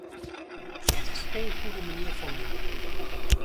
Dit is geen goede manier van doen.